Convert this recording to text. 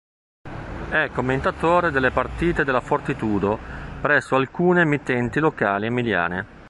È commentatore delle partite della Fortitudo presso alcune emittenti locali emiliane.